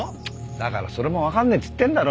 だからそれもわかんねえっつってんだろ。